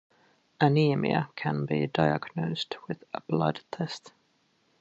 Anemia can be diagnosed with a blood test.